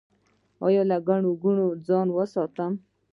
ایا له ګڼې ګوڼې ځان وساتم؟